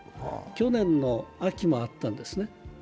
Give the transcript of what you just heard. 去年の秋もあったんですね。